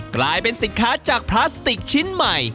กลายเป็นสินค้าจากพลาสติกชิ้นใหม่